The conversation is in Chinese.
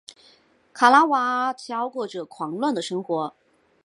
卡拉瓦乔过着狂乱的生活。